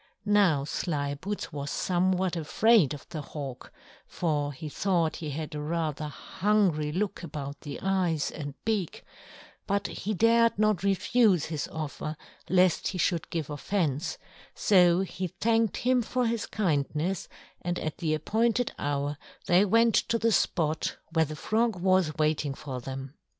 Now Slyboots was somewhat afraid of the Hawk, for he thought he had rather a hungry look about the eyes and beak, but he dared not refuse his offer lest he should give offence; so he thanked him for his kindness, and at the appointed hour they went to the spot where the Frog was waiting for them.